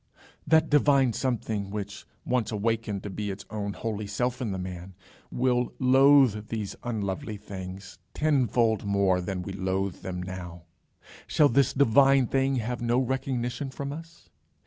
Shall that divine something, which, once awakened to be its own holy self in the man, will loathe these unlovely things tenfold more than we loathe them now shall this divine thing have no recognition from us?